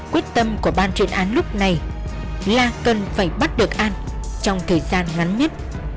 quyết tâm của ban truyện án lúc này là cần phải bắt được an trong thời gian ngắn miếp